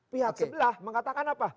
pihak sebelah mengatakan apa